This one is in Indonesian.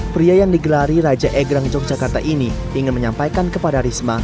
pria yang digelari raja egrang yogyakarta ini ingin menyampaikan kepada risma